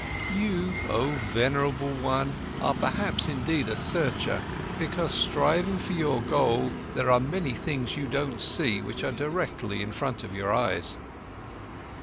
You, oh venerable one, are perhaps indeed a searcher, because, striving for your goal, there are many things you don't see, which are directly in front of your eyes."